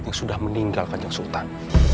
yang sudah meninggal kanjeng sultan